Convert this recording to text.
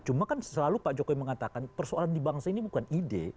cuma kan selalu pak jokowi mengatakan persoalan di bangsa ini bukan ide